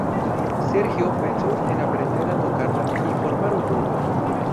Sergio pensó en aprender a tocarla y formar un grupo.